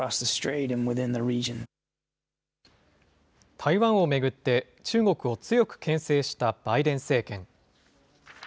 台湾を巡って、中国を強くけん制したバイデン政権。